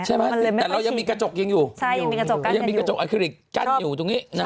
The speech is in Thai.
แต่เรายังมีกระจกยังอยู่ยังมีกระจกอัคคิลิกกั้นอยู่ตรงนี้นะฮะ